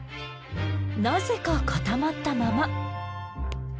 なぜか固まったまま。